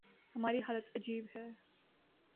ہماری حالت عجیب ہے۔